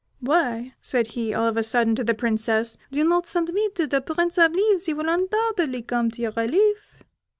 "Why," said he, all of a sudden to the Princess, "do you not send me to the Prince of Leaves, he will undoubtedly come to your relief?"